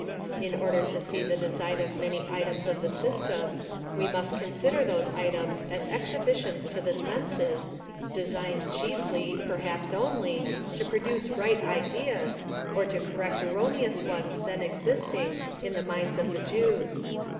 In ordei to see the design of many items of the system, we must consider those items as exhi bitions to the senses, designed chiefly, perhaps only, to produce right ideas, or to correct erroneous ones then existing, in the minds of the Jews.